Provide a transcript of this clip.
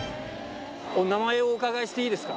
お名前をお伺いしていいですか。